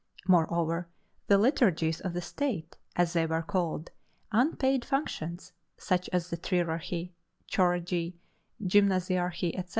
Moreover, the liturgies of the state, as they were called unpaid functions such as the trierarchy, choregy, gymnasiarchy, etc.